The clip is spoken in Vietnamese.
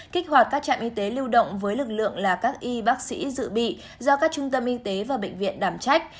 kích hoạt các trạm y tế lưu động với lực lượng là các y bác sĩ dự bị do các trung tâm y tế và bệnh viện đảm trách